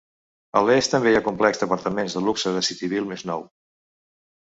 A l'est també hi ha el complex d'apartaments de luxe de Cityville més nou.